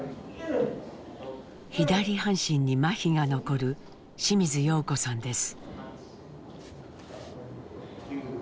左半身にまひが残る清水葉子さんです。